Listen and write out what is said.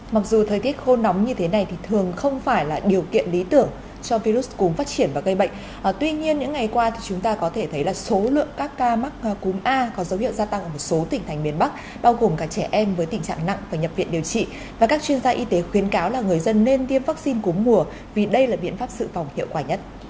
mặc dù thời tiết khô nóng như thế này thì thường không phải là điều kiện lý tưởng cho virus cúm phát triển và gây bệnh tuy nhiên những ngày qua thì chúng ta có thể thấy là số lượng các ca mắc cúm a có dấu hiệu gia tăng ở một số tỉnh thành miền bắc bao gồm cả trẻ em với tình trạng nặng và nhập viện điều trị và các chuyên gia y tế khuyến cáo là người dân nên tiêm vaccine cúm mùa vì đây là biện pháp sự phòng hiệu quả nhất